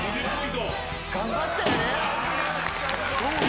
頑張ったよね。